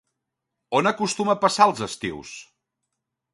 On acostuma a passar els estius?